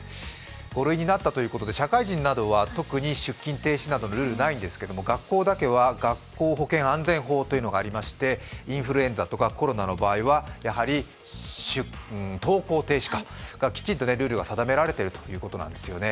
５類になったということで社会人などは出勤停止などのルールないんですが、学校だけは学校保健安全法というのがありましてインフルエンザとかコロナの場合は、登校停止、きちんとルールが定められているということなんですよね。